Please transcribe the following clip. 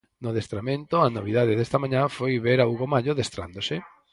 No adestramento, a novidade desta mañá foi ver a Hugo Mallo adestrándose.